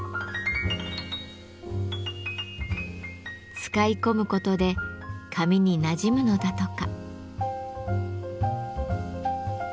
使い込むことで髪になじむのだとか。